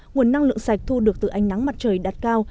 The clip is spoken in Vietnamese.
nguồn năng lượng sạch thu được từ ánh nắng mặt trời đạt cao